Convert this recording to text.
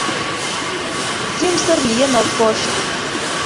Сӱмсыр лийын от кошт.